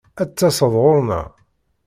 Ad d-taseḍ ɣer-neɣ?